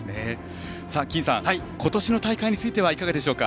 金さん今年の大会についてはいかがでしょうか。